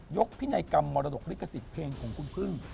ยกพินัยกรรมมรดกฤกษิเภงของคุณพึ่ง